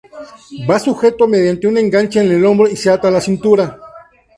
Va sujeto mediante un enganche en el hombro y se ata a la cintura.